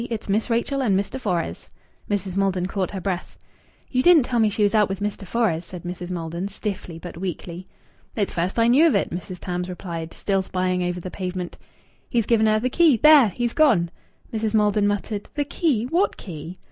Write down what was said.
"It's Miss Rachel and Mr. Fores." Mrs. Maldon caught her breath. "You didn't tell me she was out with Mr. Fores," said Mrs. Maldon, stiffly but weakly. "It's first I knew of it," Mrs. Tams replied, still spying over the pavement. "He's given her th' key. There! He's gone." Mrs. Maldon muttered "The key? What key?"